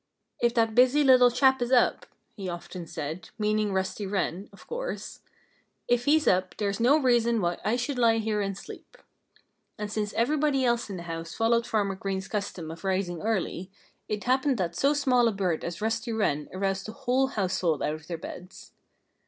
"If that busy little chap is up " he often said, meaning Rusty Wren, of course "if he's up there's no reason why I should lie here and sleep." And since everybody else in the house followed Farmer Green's custom of rising early, it happened that so small a bird as Rusty Wren aroused the whole household out of their beds.